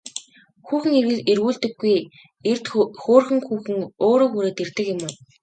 Хүүхэн эргүүлдэггүй эрд хөөрхөн хүүхэн өөрөө хүрээд ирдэг юм уу?